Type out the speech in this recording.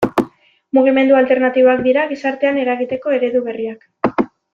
Mugimendu alternatiboak dira gizartean eragiteko eredu berriak.